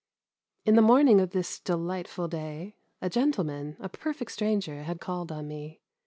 In the morning of this delightful day, a gentleman, a per fect stranger, had called on me.